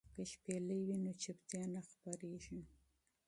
که شپېلۍ وي نو چوپتیا نه خپریږي.